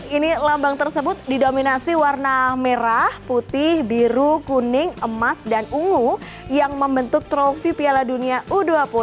ini lambang tersebut didominasi warna merah putih biru kuning emas dan ungu yang membentuk trofi piala dunia u dua puluh